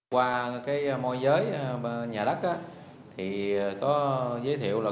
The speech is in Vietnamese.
qua cái môi giới nhà đất thì có giới thiệu là